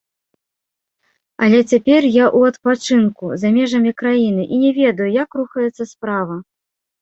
Але цяпер я ў адпачынку, за межамі краіны, і не ведаю, як рухаецца справа.